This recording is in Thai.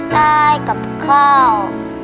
ได้กับข้าว